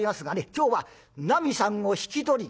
今日はなみさんを引き取りに」。